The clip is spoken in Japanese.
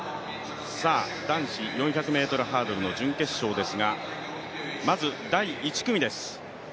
男子４００ｍハードルの準決勝ですが、まず第１組です。